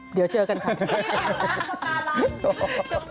เดี๋ยวเจอกันค่ะ